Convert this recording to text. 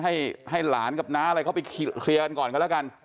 ให้หลานกับน้าเข้าไปเคลียร์ก่อนกันละกัน